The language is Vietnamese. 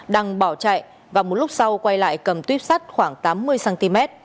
đăng bỏ chạy và một lúc sau quay lại cầm tuyếp sắt khoảng tám mươi cm